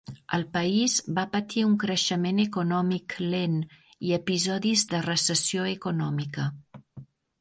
El país va patir un creixement econòmic lent i episodis de recessió econòmica.